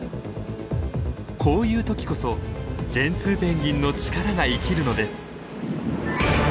こういう時こそジェンツーペンギンの力が生きるのです。